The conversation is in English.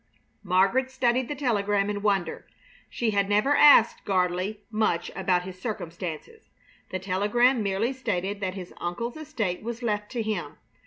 Margaret studied the telegram in wonder. She had never asked Gardley much about his circumstances. The telegram merely stated that his uncle's estate was left to him.